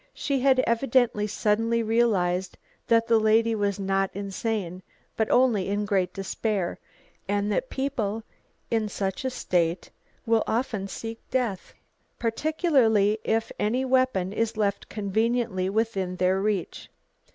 She had evidently suddenly realised that the lady was not insane, but only in great despair, and that people in such a state will often seek death, particularly if any weapon is left conveniently within their reach.